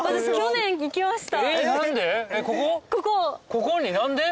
ここに何で？